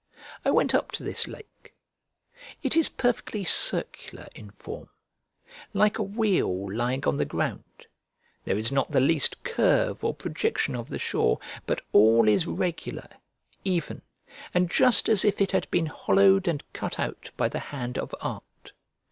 I went up to this lake. It is perfectly circular in form, like a wheel lying on the ground; there is not the least curve or projection of the shore, but all is regular, even, and just as if it had been hollowed and cut out by the hand of art.